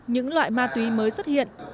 những loại ma túy mới xuất hiện